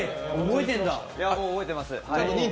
覚えています。